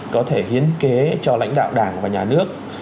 có thể hiến kế cho lãnh đạo đảng và nhà nước